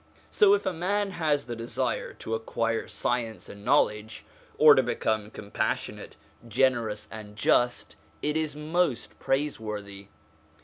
So, if a man has the desire to acquire science and knowledge, or to become compassionate, generous, and just, it is most praiseworthy.